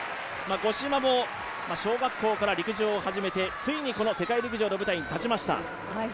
五島も小学校から陸上を始めてついに世界陸上の舞台に立ちました。